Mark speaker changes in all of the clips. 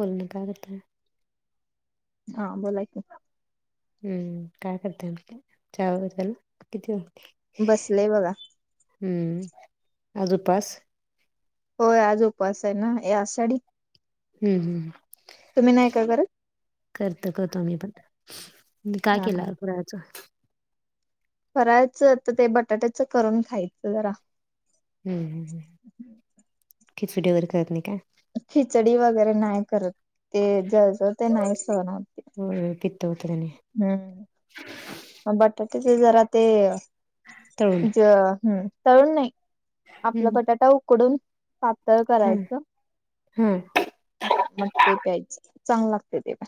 Speaker 1: बोलण्यां कागत
Speaker 2: हा बोला की.
Speaker 1: हम्म काय करते आमच्या चहा त्याला किती होते.
Speaker 2: बसलेय बघा
Speaker 1: हम्म आज उपास.
Speaker 2: होय आज उपवास आहे ना आशा डी
Speaker 1: हम्म हम्
Speaker 2: नाही का करत?
Speaker 1: करतो काय तुम्ही पण म काय
Speaker 2: हा हा.
Speaker 1: केलं फराळाचं.
Speaker 2: करायचं तर ते बटाट्याच करून खायचं जरा.
Speaker 1: हम्म किचडी व्हिडि व करत काय.
Speaker 2: खिचडी वगैरे नाही करत ते जज सववते.
Speaker 1: हो पीत होत तेणे.
Speaker 2: हम्म. बटाट्याचे जरा ते
Speaker 1: तळून.
Speaker 2: ज हम् तळून नाही. आपला
Speaker 1: हम्म
Speaker 2: बटाटा उकडून पातळ
Speaker 1: हम्म
Speaker 2: करायचं.
Speaker 1: हम्म
Speaker 2: मग ते प्यायच चांगल लागते ते प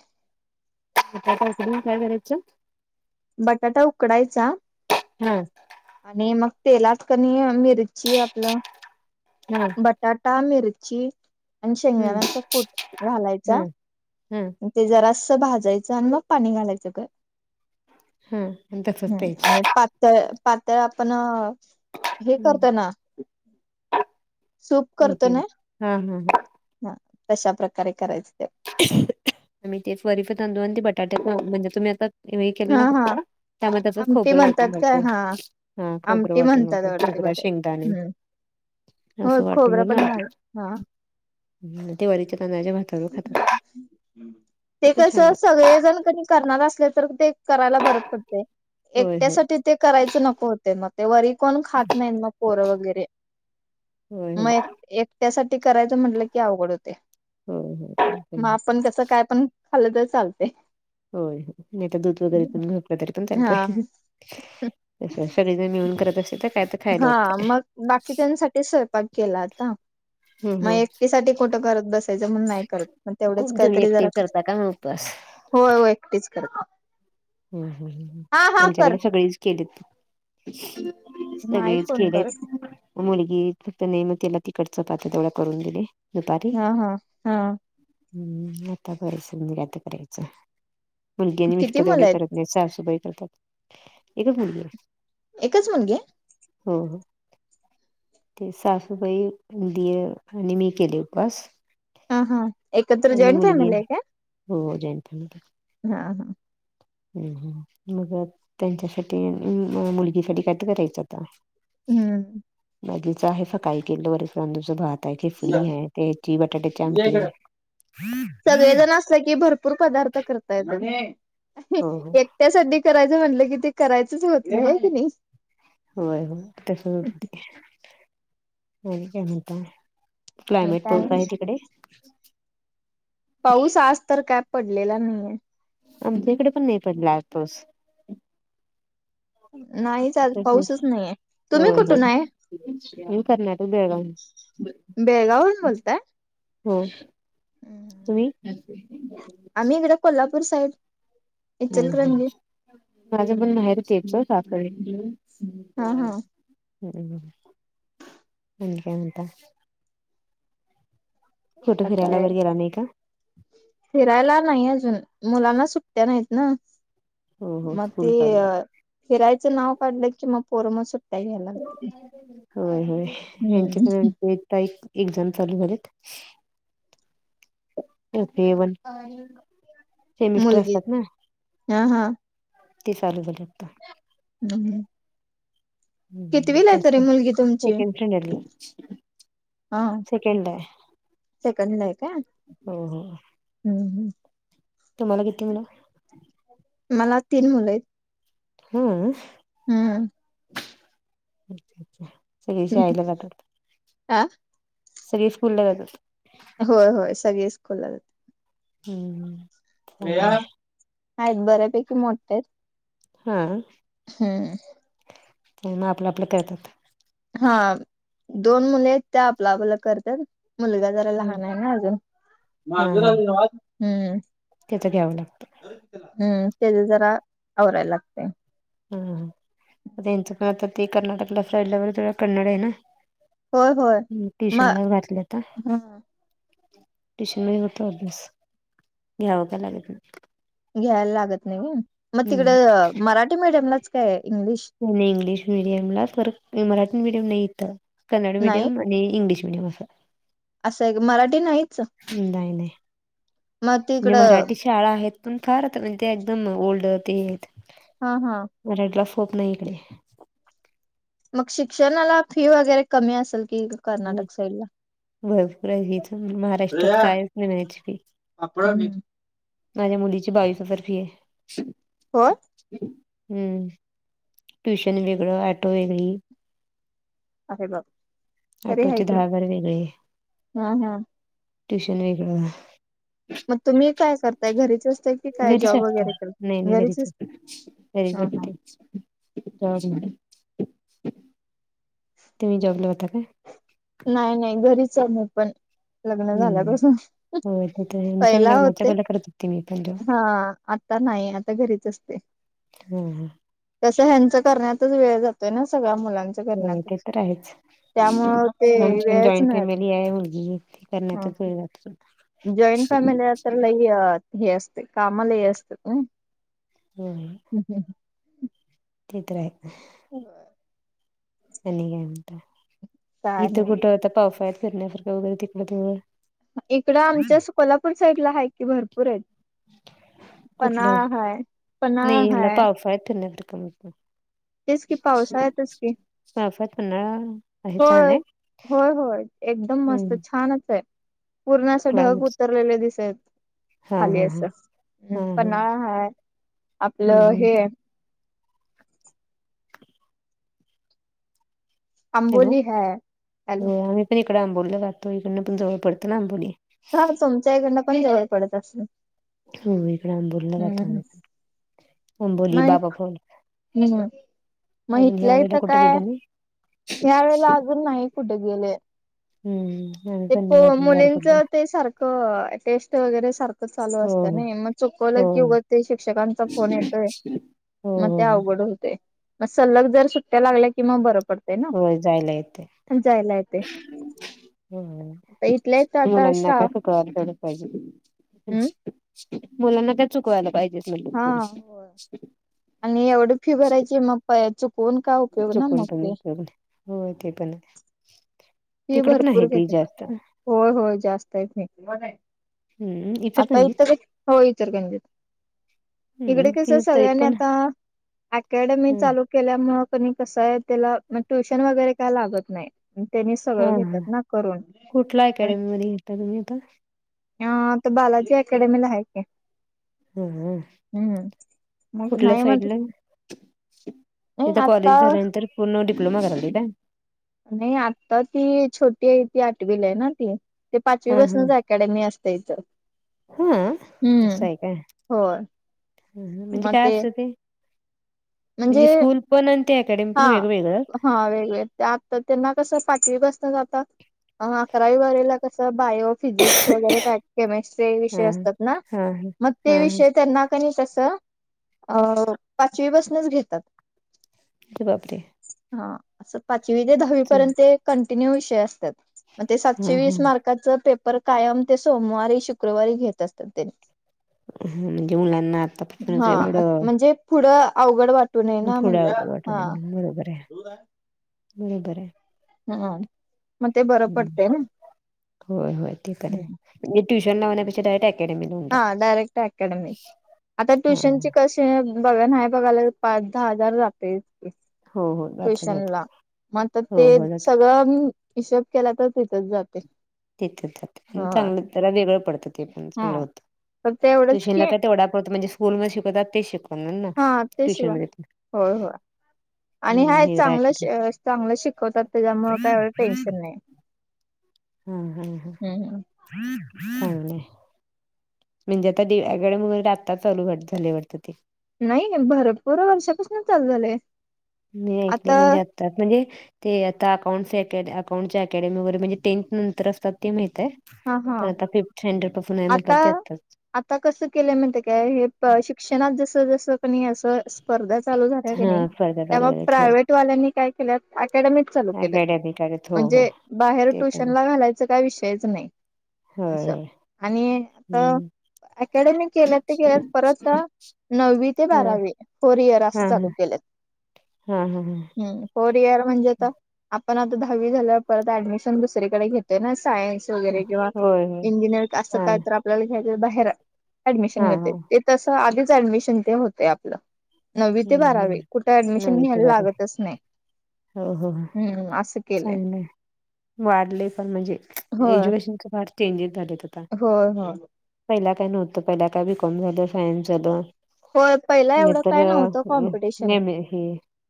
Speaker 1: बटाटा उकडून काय करायचं.
Speaker 2: बटाटा उकडायलाचा
Speaker 1: हो
Speaker 2: आणि मग तेलात कमी मिरची आपलं
Speaker 1: [unintelligible]
Speaker 2: बटाटा मिरची आणि
Speaker 1: हम्म
Speaker 2: शेंगदाण्याचा कूट घालायचा.
Speaker 1: हम्म.
Speaker 2: ते जरासं भाजायचं आणि मग पाणी घालायचं.
Speaker 1: हा आणि तसंच
Speaker 2: हम्
Speaker 1: प्यायचं.
Speaker 2: आणि पातळ पातळ आपण हे
Speaker 1: हम्म
Speaker 2: करत ना सूप करत
Speaker 1: आमटी
Speaker 2: ना.
Speaker 1: हा हा हा
Speaker 2: हा तशा प्रकारे करायचं ते.
Speaker 1: मी ते फरीफ तांदूळ आणि ते बटाटे म्हणजे तुम्ही आता हे केलं
Speaker 2: हा
Speaker 1: ना
Speaker 2: हा
Speaker 1: फक्त. टोमॅटोचा
Speaker 2: आमटी
Speaker 1: खोबरं
Speaker 2: म्हणतात
Speaker 1: वाटूनच
Speaker 2: काय
Speaker 1: होत
Speaker 2: हा
Speaker 1: हा, खोबरं
Speaker 2: आमटी
Speaker 1: वाटून
Speaker 2: म्हणतात वाटते
Speaker 1: न [unintelligible]
Speaker 2: बटाट
Speaker 1: शेंगदाणे.
Speaker 2: हम्म हो
Speaker 1: असं वाटून
Speaker 2: खोबरं
Speaker 1: बग ना,
Speaker 2: पण घाल हा
Speaker 1: ते वरीच्या तांदळाच्या भातावरून खातात.
Speaker 2: ते
Speaker 1: पण
Speaker 2: कस
Speaker 1: छान लागत
Speaker 2: सगळेजण कनि, करणार असले तर ते करायला बर पडते,
Speaker 1: होय होय
Speaker 2: एकट्यासाठी ते करायचं नको. मग ते वरी कोण खात नाहीत, मग पोर वगैरे
Speaker 1: होय होय
Speaker 2: मग एक. एकट्यासाठी करायचं म्हटलं की अवघड होते,
Speaker 1: होय होय ते पण
Speaker 2: मग
Speaker 1: आहे
Speaker 2: आपण कस काय पण- खाल तर चालते.
Speaker 1: हो नाही तर दूध वगैरे पिऊन झोपले तरी पण
Speaker 2: हा
Speaker 1: चालतय. सगळेजण मिळून करत असे तर काय.
Speaker 2: हा
Speaker 1: खायला होतंय
Speaker 2: मग बाकी त्याच्यासाठी स्वयंपाक केला आता.
Speaker 1: हम्म
Speaker 2: मग
Speaker 1: हम्म
Speaker 2: एकठी साठी कुठं करत बसायचं म्, हणून नाही करत तेवढेच
Speaker 1: खूप तुम्ही
Speaker 2: काहीतरी
Speaker 1: एकटी
Speaker 2: जरा
Speaker 1: करता का मग उपवास
Speaker 2: होय होय एकटीच करते.
Speaker 1: हम्म हम्म
Speaker 2: कर
Speaker 1: आमच्याकडे सगळी केलेत.
Speaker 2: नाही
Speaker 1: सगळेच
Speaker 2: कोण
Speaker 1: केलीत.
Speaker 2: करत
Speaker 1: मुलगी फक्त नाही म्हणते, मग तिखट चपाती तेवढ करून दिले दुपारी.
Speaker 2: हा हा हा
Speaker 1: हम्म आता मग निता करायचं मुलगी आणि
Speaker 2: किती
Speaker 1: मिस्टर
Speaker 2: मुलं
Speaker 1: येवढी.
Speaker 2: आहेत
Speaker 1: ससुबाई करतात, एकच मुलगी आहे.
Speaker 2: एकच मुलगी?
Speaker 1: हम्म. ते सासूबाई, [unintelligible] मी केले पास.
Speaker 2: हा हा. एकत्र
Speaker 1: पहिली
Speaker 2: जॉईंट
Speaker 1: मुलगी
Speaker 2: फॅमिली आहे का
Speaker 1: होय [unintelligible]
Speaker 2: हा हा.
Speaker 1: हम मग त्यांच्यासाठी, मुलगीसाठी करायचं आता.
Speaker 2: हम्म
Speaker 1: बाकीच आहे, सकाळी केलेलं वरीच्या तांदळाचा भात.. काय [unintelligible] आहे ते ची बटाटेच्या आमटी हाय.
Speaker 2: सगळे भरपूर पदार्थ करता येता
Speaker 1: हो हो
Speaker 2: ये. त्यासाठी करायचं म्हटलं, की ते करायचंच होत आहे की नाय.
Speaker 1: होय [unintelligible] आणि काय म्हणता. क्लायमेट कोणता
Speaker 2: काय
Speaker 1: आहे तिकडे?
Speaker 2: पाऊस आज तर काय पडलेला नाहीये
Speaker 1: आमच्याईकडे पण नाही पडला आज पाऊस.
Speaker 2: नाहीच आज पाऊसच नाहीये, तुम्ही
Speaker 1: होय होय
Speaker 2: कुठून आहे?
Speaker 1: मी कर्नाटक बेळगाव
Speaker 2: बेळगावहून बोलताय.
Speaker 1: हो तुम्ही.
Speaker 2: आम्ही ईकड कोल्हापूर साईड.
Speaker 1: हम्
Speaker 2: इचलकरंजी
Speaker 1: माझ्या पण माहेर तेच साखळी
Speaker 2: हा हा
Speaker 1: होय. हम्म आणि काय म्हणता. फोटो
Speaker 2: आता
Speaker 1: फिरायला
Speaker 2: काय
Speaker 1: वर गेला नाही का?
Speaker 2: फिरायला नाही अजून, मुलांना सुट्टया नाहीत ना.
Speaker 1: हो हो स्कूल
Speaker 2: ते
Speaker 1: चालू झाली.
Speaker 2: फिरायचं नाव काढलं कि मग, पोर मग सुटी
Speaker 1: होय होय यांचे
Speaker 2: हम्म
Speaker 1: पण एक एकजण चालू झालेत. ए वन, ते सेमिस्टर
Speaker 2: मुलगी
Speaker 1: असतात ना
Speaker 2: हा हा.
Speaker 1: ती चालू झाल्यात.
Speaker 2: हम्म [unintelligible]
Speaker 1: हम् तेच
Speaker 2: तरी
Speaker 1: [unintelligible]
Speaker 2: मुलगी तुमची?
Speaker 1: सेकंड
Speaker 2: हा
Speaker 1: सेकंड हाय.
Speaker 2: सेकंडला आहे काय?
Speaker 1: हो हो.
Speaker 2: हम्म हम्म.
Speaker 1: तुम्हाला किती मुल?
Speaker 2: मला तीन मुलं आहेत.
Speaker 1: हम्म.
Speaker 2: हम्म.
Speaker 1: सगळी शाळेला जात्यात.
Speaker 2: आ
Speaker 1: सगळी स्कूल ला जातात.
Speaker 2: होय होय सगळेच स्कूलला जातात.
Speaker 1: हम्म. चांगलंय
Speaker 2: आहेत बऱ्यापैकी मोठ्यायेत.
Speaker 1: हा.
Speaker 2: हम्म.
Speaker 1: पुन्हा आपलं आपलं करतात.
Speaker 2: हा दोन मुले आहेत त्या आपला आपल करतात मुलगा लहान आहे ना
Speaker 1: हा हा
Speaker 2: अजून हम
Speaker 1: त्याच घ्यावं लागतं.
Speaker 2: हम्म त्याचं जरा आवरायला लागतय.
Speaker 1: हा ह त्याचं पण आता ते कर्नाटकला [unintelligible] फ राहिलंवर तेढं कन्नड आहे ना.
Speaker 2: होय होय म
Speaker 1: ट्युशनला घातलायता.
Speaker 2: ह
Speaker 1: ट्युशन म होतो अभ्यास घ्यावा त लागत
Speaker 2: घ्यायला लागत नाही व्हय मग
Speaker 1: नाही
Speaker 2: तिकड मराठी मीडियमलाच काय इंग्लिश?
Speaker 1: नाही इंग्लिश मीडियमलाच तर मराठी मीडियम नाही इथं कन्नड
Speaker 2: नाही
Speaker 1: मीडियम आणि इंग्लिश मीडयम असं
Speaker 2: असं आहे मराठी नाहीच.
Speaker 1: नाही नाही
Speaker 2: मग
Speaker 1: मी
Speaker 2: तिकडं
Speaker 1: मराठी शाळा आहेत पण फार आता म्हणजे त्या एकदम ओल्ड ते आहेत.
Speaker 2: हा हा.
Speaker 1: मराठीला स्कोप नाही इकडे.
Speaker 2: मग शिक्षणाला फी वगैरे कमी असेल कर्नाटक साईडला.
Speaker 1: भरपूर आहे हीच महाराष्ट्रात
Speaker 2: श्रेया
Speaker 1: कायच नाही फी.
Speaker 2: [unintelligible]
Speaker 1: माझ्या मुलीची बावीस हजार फी आहे.
Speaker 2: होय.
Speaker 1: हम्म ट्युशन वेगळं अॅटो वेगळी.
Speaker 2: अरे ब
Speaker 1: ऑटोचे दहा हजार वेगळे
Speaker 2: हा हा
Speaker 1: ट्युशन वेगळं.
Speaker 2: मग तुम्ही काय करताय घरीच अस
Speaker 1: [unintelligible] घरीच असते नाही नाही घरीच
Speaker 2: असता
Speaker 1: असते घरीच
Speaker 2: हा हा
Speaker 1: असते. तेव्हाच म्हणे तुम्ही जॉबला होता काय?
Speaker 2: नाय नाय घरीचे मी पण. लग्न
Speaker 1: हम्म
Speaker 2: झाल्यापसून
Speaker 1: हो ते तर आहे पण
Speaker 2: पईला
Speaker 1: लग्नाच्या
Speaker 2: होते
Speaker 1: पहिला करत होते मी पण जॉब
Speaker 2: हा. आत्ता नाय आत्ता घरीच असते.
Speaker 1: हम्म हम्म.
Speaker 2: कसं ह्यांच करण्यातच वेळ जातोय न सगळा मुलांच्
Speaker 1: हो ते तर आहेच
Speaker 2: ते
Speaker 1: माजी् पण
Speaker 2: वेळच
Speaker 1: जॉईंट
Speaker 2: मिळत नाही
Speaker 1: फॅमिलीये [unintelligible]
Speaker 2: हा जॉईंट फॅमिली आ तर लय हे असते, कामं लई असत्यात न.
Speaker 1: हम्म, ते तराय.
Speaker 2: हो.
Speaker 1: आणी काय म्हणता,
Speaker 2: काय
Speaker 1: इथं
Speaker 2: नाही
Speaker 1: कुठं त्या पावसाळ्यात फिरण्यासारखं वगैरे तिकडं थोडं
Speaker 2: इकडं आमच्या स कोल्हापूर साईड ला हाय की भरपूरेत.
Speaker 1: कुठलं, नई
Speaker 2: पन्हाळा
Speaker 1: हीला
Speaker 2: हाय
Speaker 1: पावसात फिरण्यासारखं [unintelligible]
Speaker 2: तेच कि पावसाळ्यातच की.
Speaker 1: पावसात पण ना.
Speaker 2: होय होय होय एकदम मस्त
Speaker 1: हम्म
Speaker 2: छानचे पूर्ण अस ढग
Speaker 1: क्लायमेट
Speaker 2: होतं. होय नी दिसत.
Speaker 1: हा
Speaker 2: खाली
Speaker 1: हा हा
Speaker 2: असं, उं
Speaker 1: हा हा
Speaker 2: पन्हाळा हाय
Speaker 1: हम्म
Speaker 2: आपलं
Speaker 1: हम्म
Speaker 2: हे
Speaker 1: हॅलो,
Speaker 2: आंबोली हाय हॅलो
Speaker 1: होय आम्ही पण इकडे आंबोलीला जातोय तिकडनं पण जवळ पडतं ना आंबोली.
Speaker 2: [unintelligible] तुमच्या ईकडनं पण जवळ पडत असंन.
Speaker 1: हो इकडे आंबोलीला राहताना आंबोली
Speaker 2: नाही
Speaker 1: बाबा फोल
Speaker 2: हम्म म हितल्या
Speaker 1: वेळेला
Speaker 2: हितं
Speaker 1: कुठे
Speaker 2: काय
Speaker 1: गेलो नाही
Speaker 2: ह्या वेळेला अजून न्हाई. कुठे गेले.
Speaker 1: हम्म. आम्ही
Speaker 2: ते
Speaker 1: पण
Speaker 2: प
Speaker 1: नाही अजून बाहेर
Speaker 2: मुलींच
Speaker 1: पडलो
Speaker 2: ते सारखं टेस्ट वगैरे सारखं चालू
Speaker 1: हो
Speaker 2: असतं नई म
Speaker 1: हो हो
Speaker 2: चुकवलं की उगं ते शिक्षकांचा फोन येतोय.
Speaker 1: हो
Speaker 2: म ते
Speaker 1: हो
Speaker 2: अवघड होतंय म सल्लग जर सुट्ट्या लागल्या कि म बर पड् -ते
Speaker 1: हो होय जायला येते
Speaker 2: न जायला येते. आता
Speaker 1: हम्म
Speaker 2: इथल्या इथं आता
Speaker 1: मुलांना [unintelligible]
Speaker 2: श्राव
Speaker 1: पायजे.
Speaker 2: हम्म
Speaker 1: मुलांना काय चुकवायला पायजेत म्हणलं
Speaker 2: हा
Speaker 1: कोणी
Speaker 2: आणि एवढी फी भरायची मग प या चुकून का उपयोग ना मग ते.
Speaker 1: हो ते पणे.
Speaker 2: ती भरपूर घेते [unintelligible] होय होय जास्त येत नाईत
Speaker 1: हम्म
Speaker 2: आता
Speaker 1: इचलकरंजीत
Speaker 2: इतंबी हो इचलगंजीत इकडे
Speaker 1: हम्म
Speaker 2: कसं
Speaker 1: ती तरी
Speaker 2: सगळ्यांनी
Speaker 1: पण
Speaker 2: आता ऍकॅडमी
Speaker 1: हं,
Speaker 2: चालू केल्यामुळं कनी कसंय तेला म ट्युशन वगैरे काय लागत नाय अन् त्यानीच्
Speaker 1: हा
Speaker 2: सगळं
Speaker 1: हा
Speaker 2: घेत्यात ना करून.
Speaker 1: कुठला अकॅडमी मध्ये घेता तुम्ही आता
Speaker 2: हां तो बालाजी ऍकॅडमी ला हाय की.
Speaker 1: हं हं.
Speaker 2: हम्म मग
Speaker 1: कुठल्या
Speaker 2: नाही म्हटलं
Speaker 1: साईडला
Speaker 2: नाही
Speaker 1: ईथं
Speaker 2: आता
Speaker 1: कॉलेज झाल्यानंतर पुन्ना डिप्लोमा करायचं का?
Speaker 2: नई आत्ता ती छोटी आय ती आठवीलाय ना ती. ते पाचवी
Speaker 1: हा हा
Speaker 2: पासनंच ऍकॅडमी असते इथं, हम्म होय.
Speaker 1: हम्म हुं म्हणजे असं काय ते.
Speaker 2: म्हणजे
Speaker 1: स्कूल पण आणि ते अकॅडमी
Speaker 2: हा
Speaker 1: पण वेगवेगळं
Speaker 2: हा वेगळे. आत्ता त्यांना कसं पाचवीपासनच जातात. अहो अकरावी बारावीला कसं बायो फिजिक्स वगैरे काय केमेस्ट्री
Speaker 1: हा
Speaker 2: विषय असतात ना.
Speaker 1: हा हा
Speaker 2: मग ते
Speaker 1: हा
Speaker 2: विषय त्यांना. त्यांनी कसं अ पाचवीपसूनच घेतात.
Speaker 1: [unintelligible] बापर.
Speaker 2: हा असं पाचवी ते दहावी
Speaker 1: हा
Speaker 2: पर्यंत कंटिन्यू विषय असतात मग ते
Speaker 1: हा
Speaker 2: सातशे वीस मार्काच पेपर कायम ते सोमवारी. शुक्रवारी घेत असतात त्यांनी
Speaker 1: हा म्हणजे मुलांना आत्ता पर्यंत
Speaker 2: हा
Speaker 1: एवढं.
Speaker 2: म्हणजे पुढं अवघड वाटू नये ना
Speaker 1: पुढं
Speaker 2: म्हणून
Speaker 1: अवघड वाटू
Speaker 2: हा.
Speaker 1: होय बरं आहे.
Speaker 2: हम्म म ते बरं
Speaker 1: हम्म
Speaker 2: पडते ना हम्.
Speaker 1: हे ट्युशन लावण्यापेक्षा अकॅ.
Speaker 2: हा डायरेक्ट अकॅडमी आता
Speaker 1: हा
Speaker 2: ट्युशनची कशी. ते बघा नाय बघायला पाच दहा हजार जाते इतकी.
Speaker 1: हो हो जातात
Speaker 2: ट्युशनला
Speaker 1: जातात
Speaker 2: मग आता ते
Speaker 1: हो हो जातात
Speaker 2: सगळं हिशेब केला तर तिथच जाते.
Speaker 1: तेथच
Speaker 2: ह
Speaker 1: जाते चांगलं त्याला वेगळं पडतं ते पण
Speaker 2: हा
Speaker 1: चांगलं होतं
Speaker 2: तर ते एवढंच
Speaker 1: ट्युशनला
Speaker 2: की
Speaker 1: काय तेवढा पुरतं म्हणजे स्कूलमध्ये शिकवतात ते शिकव.
Speaker 2: हा
Speaker 1: [unintelligible]
Speaker 2: ते
Speaker 1: ट्युशन
Speaker 2: शिवाय
Speaker 1: मध्ये.
Speaker 2: होय होय आणि हायत चांगलं चांगलं शिकवतात त्याच्यामुळे काही एवढं टेन्शन नाही.
Speaker 1: हम् हम् हम
Speaker 2: हम्म. हम्म.
Speaker 1: चांगलं आहे. म्हणजे आता गडेमुग आत्ता चालू घट झाले वाटतं ते.
Speaker 2: नाही भरपूर वर्षापासून चालू झालंय.
Speaker 1: मी ऐकले म्हणजे आता म्हणजे. ते आता अकाउंट् अकाउंट् चॅटड अकॅडमी वगैरे म्हणजे टेंथ नंतर असतात ते माहीतय.
Speaker 2: हा हा
Speaker 1: तर आता फिफ्थ स्टॅंडर्ड पासून आहे म्हणतात ते आता.
Speaker 2: आता कसं केलंय माहितीये काय हे शिक्षणात जस जसं कणी असं. स्पर्धा चालू झाल्या क नाही
Speaker 1: हा स्पर्धा चालू
Speaker 2: त्यामुळे
Speaker 1: झाल्यात हो.
Speaker 2: प्रायव्हेट वाल्यांनी. काय केल्यात अकॅडमिक चालू केल्यात
Speaker 1: अकॅडमिक आहेत हो हो
Speaker 2: म्हणजे बाहेर
Speaker 1: ते पण
Speaker 2: ट्युशन ला घालायचं काय विषयच नाही.
Speaker 1: होय
Speaker 2: असं
Speaker 1: होय
Speaker 2: आणि आता
Speaker 1: हम्म.
Speaker 2: अकॅडमिक केल ते केल परत. नववी ते
Speaker 1: हा
Speaker 2: बारावी फोर इयर अस
Speaker 1: हा
Speaker 2: चालू
Speaker 1: हा
Speaker 2: केलेत.
Speaker 1: हा हा हा.
Speaker 2: फोर इयर म्हणजे आ आपण आता दहावी झाल्यावर परत ऍडमिशन दुसरीकडे घेतोय ना सायन्स. वगैरे किंवा
Speaker 1: होय होय
Speaker 2: इंजिनियर असतात
Speaker 1: हा
Speaker 2: काय तर. आपल्याला घ्यायचं आहे बाहेर ऍडमिशन
Speaker 1: हा
Speaker 2: घेते
Speaker 1: हा
Speaker 2: ते तस आधीच ऍडमिशन ते होते आपलं. नववी ते
Speaker 1: हम्म
Speaker 2: बारावी
Speaker 1: हम्म
Speaker 2: कुठे ऍडमिशन
Speaker 1: नववी ते
Speaker 2: घ्यायला
Speaker 1: बारावी
Speaker 2: लागतच नाही.
Speaker 1: हो हो हो.
Speaker 2: हम्म असं केलंय.
Speaker 1: चांगलंय वाढले पण म्हणजे एज्युकेशनचे फार चेंजेस झाले.
Speaker 2: हो हो.
Speaker 1: पहिला काय नव्हतं पहिला काय बीकॉम झालं सायन्स झालं.
Speaker 2: हो पहिला एवढं
Speaker 1: नाहीतर
Speaker 2: काय नव्हतं. कॉम्पिटिशन
Speaker 1: एम ए हे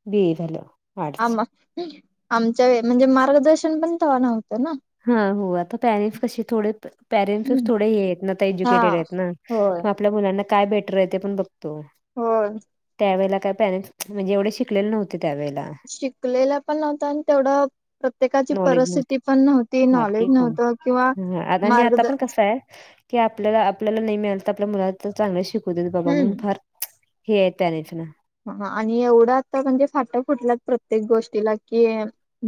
Speaker 1: बीए झालं आर्टस.
Speaker 2: आम आमच्या वेळें म्हणजे मार्गदर्शन पण तवा नव्हत ना.
Speaker 1: हा हो आता पॅरेंट्स कसे थोडे पॅरेंट्सच थोडे हे आहेत ना तर एज्युकेटेड आहेत ना
Speaker 2: हो.
Speaker 1: मग आपल्या मुलांना काय बेटर आहे ते पण बघतो.
Speaker 2: हो.
Speaker 1: त्यावेळेला काय पॅरेंट्स म्हणजे एवढे शिकलेले नव्हते. त्यावेळेला
Speaker 2: शिकलेला पण नव्हत आणि तेवढं प्रत्येकाची
Speaker 1: नॉलेज
Speaker 2: परिस्थिती
Speaker 1: नव्हतं
Speaker 2: पण नव्हती.
Speaker 1: हा
Speaker 2: नॉलेज
Speaker 1: ते पण
Speaker 2: नव्हतं किंवा
Speaker 1: अगनी आता
Speaker 2: मार्गद
Speaker 1: पण कस आहे. की आपल्याला आपल्याला नाही मिळाल तर आपल्या मुलाला तर चांगल शिकु देत बाबा म्हणून
Speaker 2: हम्म
Speaker 1: फार हेे यत त्यांनीच ना.
Speaker 2: हं आणि एवढं आता म्हणजे फाट फुटलात प्रत्येक गोष्टीला की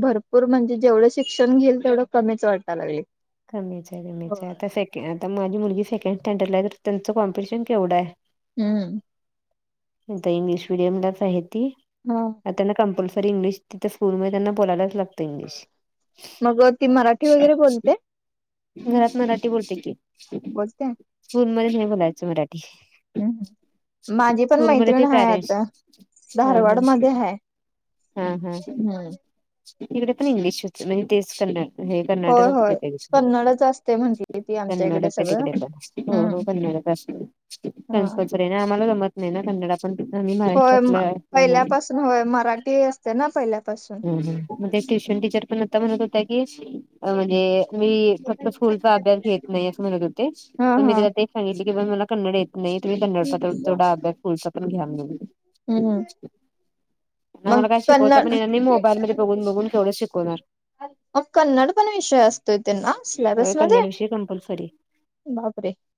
Speaker 2: भरपूर म्हणजे जेवढं शिक्षण घेईल तेवढं कमीच वाटा लागलय.
Speaker 1: कमीचय कमीचय आता सेक आता माझी मुलगी सेकंड स्टँडर्डला आहे तर त्यांचं कॉम्पिटिशन केवढंय?
Speaker 2: हम्म.
Speaker 1: आता इंग्लिश मिडियमलाच आहे ती.
Speaker 2: हं.
Speaker 1: आता त्यांना कंपल्सरी इंग्लिश तिथं स्कूलमध्ये त्यांना बोलायलाच लाग
Speaker 2: मग ती मराठी वगैरे बोलते?
Speaker 1: घरात मराठी बोलते की.
Speaker 2: बस काय.
Speaker 1: स्कुल मध्ये नाही बोलायचं मराठी.
Speaker 2: हम्म हम्म माझी पण
Speaker 1: स्कुल मधे ते
Speaker 2: मैत्रिण हाय
Speaker 1: पेरेंट्स
Speaker 2: आता
Speaker 1: हम्म
Speaker 2: धारवाड
Speaker 1: हम्म
Speaker 2: मध्ये हाय.
Speaker 1: हम्म हम्म. तिकडे पण इंग्लिशचं म्हणजे तेच कन्नड हे
Speaker 2: होय होय
Speaker 1: कर्नाटकात येत,
Speaker 2: कन्नडच असते म्हटली ती आमच्या इकडे
Speaker 1: कर्नाटकात
Speaker 2: सगळं
Speaker 1: तिकडे हो हो कन्नडच असतो.
Speaker 2: हां.
Speaker 1: त्यांनी आम्हाला जमत नाहीं ना कन्नड आ- पण
Speaker 2: होय पहिल्यापासून होय मराठी असत ना पहिल्यापासून.
Speaker 1: हम्म हम्म म्हणजे ट्युशन टीचर पण आता म्हणत होत्या की म्हणजे मी फक स्कूलचा अभ्यास घेत नाही असं म्हणत होते
Speaker 2: हा
Speaker 1: पण मी
Speaker 2: हा
Speaker 1: जरा ते सांगितले की बाई मला कन्नड येत नाही, तुम्ही कन्नड पत्र जोडा [unintelligible] चा पण घ्या म्हणून.
Speaker 2: हम्म मग
Speaker 1: आम्हाला काय शिकवता पण
Speaker 2: कन्नड
Speaker 1: येणार नाही मोबाईल मध्ये बघून बघून केवढं शिकवणार?
Speaker 2: मग कन्नड पण विषय असतोय त्यांना सिलॅबस मध्ये?
Speaker 1: ते कंपलसरी.
Speaker 2: बापरे.